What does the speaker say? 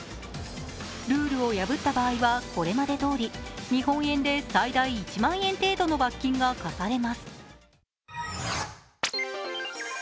ルールを破った場合はこれまでどおり日本円で最大１万円程度の罰金が科されます。